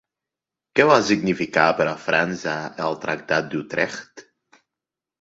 Què va significar per a França el Tractat d'Utrecht?